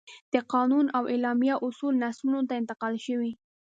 د قانون او اعلامیه اصول نسلونو ته انتقال شوي.